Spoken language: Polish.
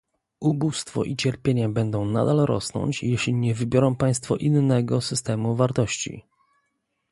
Ubóstwo i cierpienie będą nadal rosnąć, jeśli nie wybiorą państwo innego systemu wartości